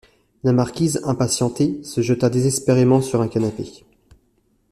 La marquise impatientée se jeta désespérément sur un canapé.